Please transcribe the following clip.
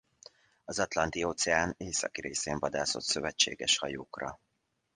Az Atlanti-óceán északi részén vadászott szövetséges hajókra.